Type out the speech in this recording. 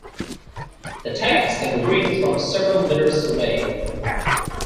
The tags can be read from several meters away.